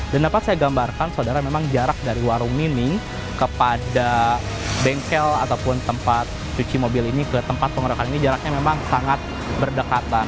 dan dapat saya gambarkan saudara memang jarak dari warung mining kepada bengkel ataupun tempat cuci mobil ini ke tempat pengeroyokan ini jaraknya memang sangat berdekatan